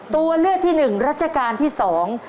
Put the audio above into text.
ตัวเลือกที่หนึ่งรัชกาลที่สอง